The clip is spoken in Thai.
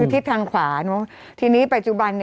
กรมป้องกันแล้วก็บรรเทาสาธารณภัยนะคะ